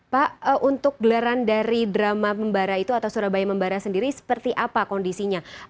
pak untuk gelaran dari drama membara itu atau surabaya membara sendiri seperti apa kondisinya